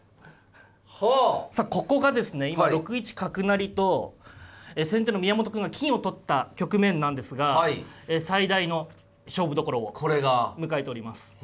今６一角成と先手の宮本くんが金を取った局面なんですが最大の勝負どころを迎えております。